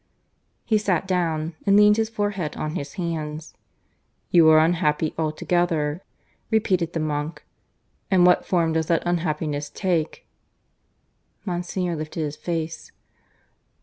He sat down, and leaned his forehead on his hands. "You are unhappy altogether," repeated the monk. "And what form does that unhappiness take?" Monsignor lifted his face.